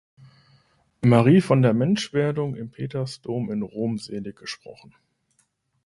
Marie von der Menschwerdung im Petersdom in Rom seliggesprochen.